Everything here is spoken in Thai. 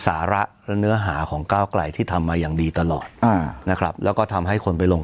สาระและเนื้อหาของก้าวไกลที่ทำมาอย่างดีตลอดอ่านะครับแล้วก็ทำให้คนไปลง